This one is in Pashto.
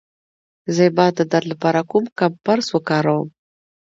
د زایمان د درد لپاره کوم کمپرس وکاروم؟